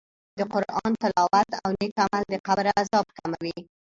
د قرآن تلاوت او نېک عمل د قبر عذاب کموي.